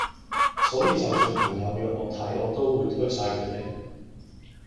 所以就算朋友約我睇我都會推曬佢地